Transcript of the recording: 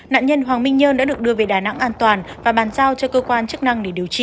nạn nhân hoàng minh nhân đã được đưa về đà nẵng an toàn và bàn giao cho cơ quan